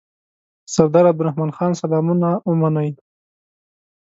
سردار عبدالرحمن خان سلامونه ومنئ.